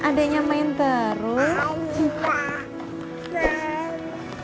adeknya main taruh